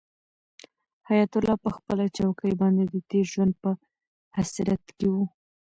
حیات الله په خپله چوکۍ باندې د تېر ژوند په حسرت کې و.